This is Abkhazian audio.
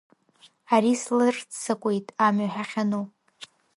Ари слырццакуеит амҩа ҳахьану.